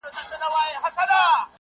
د مشرانو خبرو ته غوږ سئ.